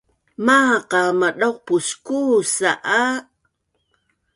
Maaq a madauqpus kuusa a